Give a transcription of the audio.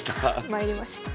参りました。